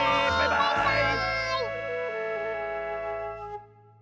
バイバーイ！